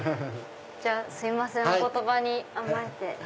すいませんお言葉に甘えて。